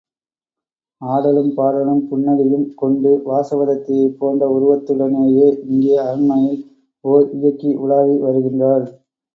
ஆடலும் பாடலும் புன்னகையும் கொண்டு வாசவதத்தையைப் போன்ற உருவத்துடனேயே இங்கே அரண்மனையில் ஓர் இயக்கி உலாவி வருகின்றாள்.